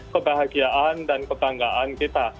kebahagiaan dan kebanggaan kita